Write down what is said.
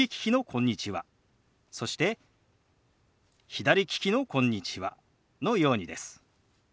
そして左利きの「こんにちは」のようにです。